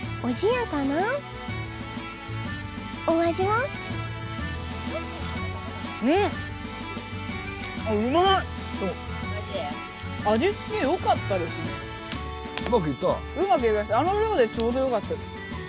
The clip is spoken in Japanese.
あの量でちょうどよかったです。